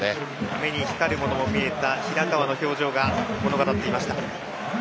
目に光るものも見えた平川の表情が物語っていました。